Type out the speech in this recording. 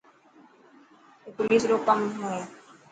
اي پوليس رو ڪم هي.